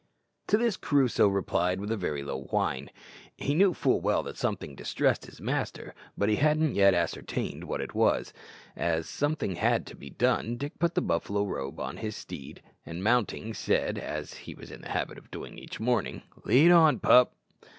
To this Crusoe replied by a low whine. He knew full well that something distressed his master, but he hadn't yet ascertained what it was. As something had to be done, Dick put the buffalo robe on his steed, and mounting said, as he was in the habit of doing each morning, "Lead on, pup."